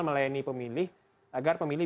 melayani pemilih agar pemilih